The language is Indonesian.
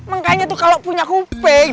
makanya itu kalau punya kuping